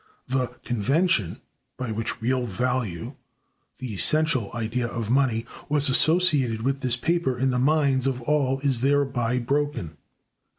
The "convention" by which real value (the essential idea of money) was associated with this paper in the minds of all is thereby broken.